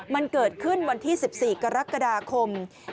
มันเกิดขึ้นวันที่๑๔กรกฎาคม